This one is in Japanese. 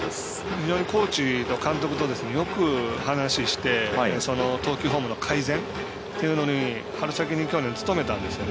非常にコーチと監督とよく話をして投球フォームの改善というのに努めたんですよね。